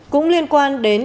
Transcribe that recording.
cũng liên quan đến